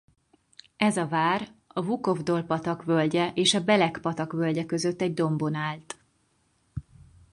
Ez a vár a Vukovdol-patak völgye és a Belek-patak völgye között egy dombon állt.